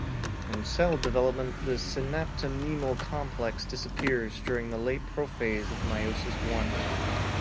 In cell development the synaptonemal complex disappears during the late prophase of meiosis I.